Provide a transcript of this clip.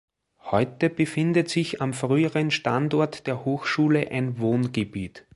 Heute befindet sich am früheren Standort der Hochschule ein Wohngebiet.